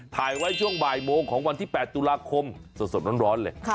ถ่ายไว้ช่วงบ่ายโมงของวันที่๘ตุลาคมสดร้อนเลย